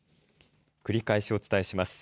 繰り返し、お伝えします。